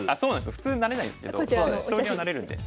普通なれないんですけど将棋はなれるんで。